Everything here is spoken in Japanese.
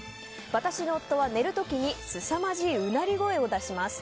私の夫は寝る時にすさまじいうなり声を出します。